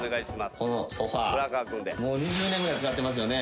このソファもう２０年ぐらい使ってますよね